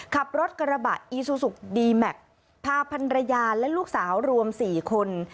ขับรถกระบะอีซูซุกดีแม็กซ์พาพันรยาและลูกสาวรวม๔คน